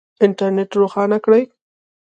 انټرنېټ روښانه کړئ